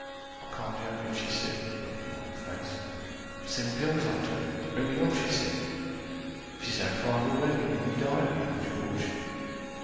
I can't help it, she said, pulling a long face, It's them pills I took, to bring it off, she said. (She's had five already, and nearly died of young George.)